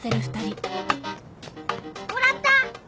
もらった。